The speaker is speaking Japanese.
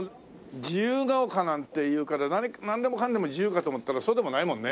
自由が丘なんていうからなんでもかんでも自由かと思ったらそうでもないもんね。